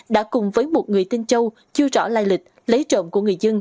đã cùng với một người tên châu chưa rõ lai lịch lấy trộm của người dân